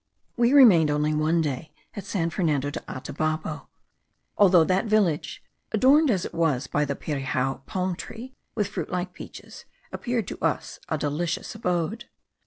We remained only one day at San Fernando de Atabapo, although that village, adorned as it was by the pirijao palm tree, with fruit like peaches, appeared to us a delicious abode.